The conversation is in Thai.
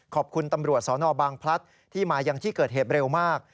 ขอบคุณตำรวจสนบางพลัดที่มายังที่เกิดเหตุเร็วมาก